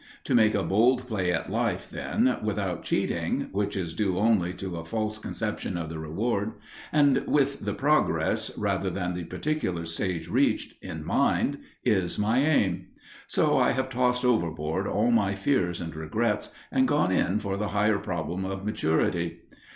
To make a bold play at life, then, without cheating (which is due only to a false conception of the reward), and with the progress, rather than the particular stage reached, in mind, is my aim. So I have tossed overboard all my fears and regrets, and gone in for the higher problems of maturity.